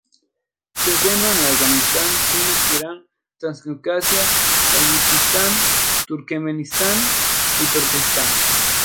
Se encuentra en Afganistán, China, Irán, Transcaucasia, Tayikistán, Turkmenistán y Turquestán.